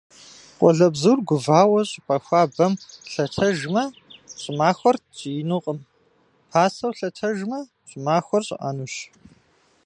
Къуалэбзур гувауэ щӏыпӏэ хуабэм лъэтэжмэ, щӏымахуэр ткӏиинукъым, пасэу лъэтэжмэ, щӏымахуэр щӏыӏэнущ.